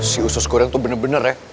si usus goreng tuh bener bener ya